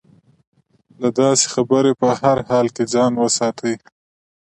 له داسې خبرې په هر حال کې ځان وساتي.